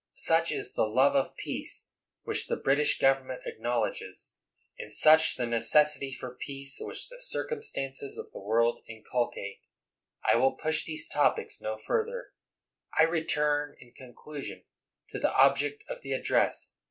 Such is the love of peace which the British government acknowl edges; and such the necessity for peace which the circumstances of the world inculcate. I will push these topics no further. I return, in conclusion, to the object of the address.